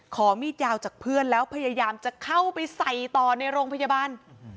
มีดยาวจากเพื่อนแล้วพยายามจะเข้าไปใส่ต่อในโรงพยาบาล